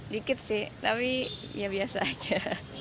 dikit sih tapi ya biasa aja